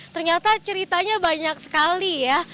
ternyata ceritanya banyak sekali ya